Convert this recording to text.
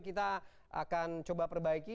kita akan coba perbaiki